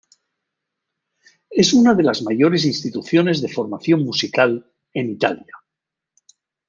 Es una de las mayores instituciones de formación musical en Italia.